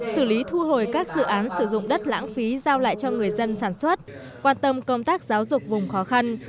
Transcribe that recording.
xử lý thu hồi các dự án sử dụng đất lãng phí giao lại cho người dân sản xuất quan tâm công tác giáo dục vùng khó khăn